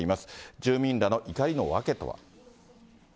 住民らの怒りの訳とは。